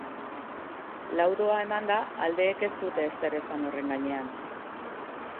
Laudoa emanda, aldeek ez dute ezer esan horren gainean.